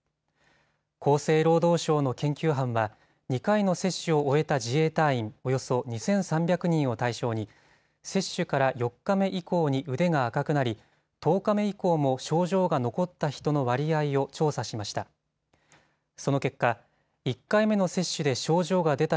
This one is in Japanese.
厚生労働省の研究班は、２回の接種を終えた自衛隊員およそ２３００人を対象に接種から４日目以降に腕が赤くなり、１０日目以降も症状が残った人の割合を調査しました。